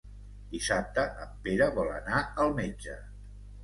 Dissabte en Pere vol anar al metge.